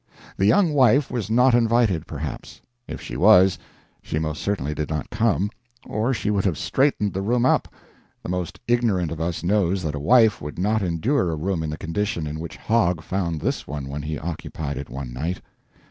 The young wife was not invited, perhaps. If she was, she most certainly did not come, or she would have straightened the room up; the most ignorant of us knows that a wife would not endure a room in the condition in which Hogg found this one when he occupied it one night.